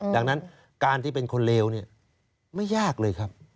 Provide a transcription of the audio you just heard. ดังนั้นการที่เป็นคนเลวเนี่ยไม่ยากเลยครับ